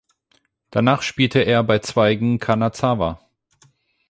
Danach spielte er bei Zweigen Kanazawa.